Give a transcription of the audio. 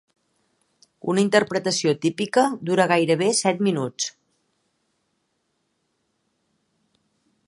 Una interpretació típica dura gairebé set minuts.